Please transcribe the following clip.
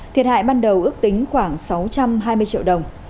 thiệt hại ban đầu ước tính khoảng sáu trăm hai mươi triệu đồng